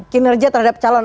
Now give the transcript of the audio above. kinerja terhadap calon